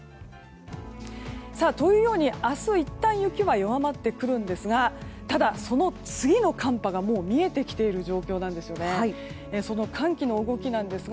というように明日、いったん雪は弱まってくるんですがただ、その次の寒波がもう見えてきている状況なんですね。